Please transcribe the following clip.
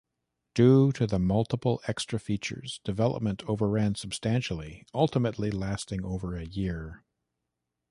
Due to the multiple extra features, development overran substantially, ultimately lasting over a year.